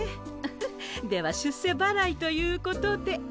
フフでは出世ばらいということで。